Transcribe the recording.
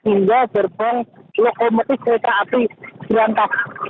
hingga gerbang lokomotif kereta api berantak